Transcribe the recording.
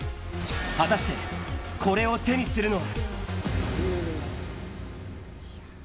果たして、これを手にするのは。